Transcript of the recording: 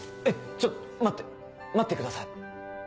えっちょっと待って待ってください。